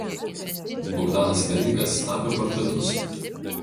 Bogdanas Venigas tapė portretus.